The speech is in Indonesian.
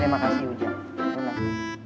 terima kasih ujang ujang